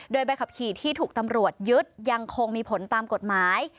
โดยใบขับขี่ที่ถูกตำรวจยึดยังคงมีผลตามกฎหมาย